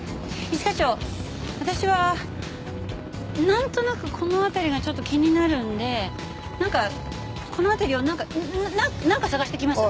一課長私はなんとなくこの辺りがちょっと気になるんでなんかこの辺りをなんかなんか捜してきます。